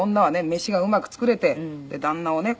飯がうまく作れて旦那をね